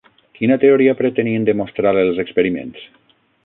Quina teoria pretenien demostrar els experiments?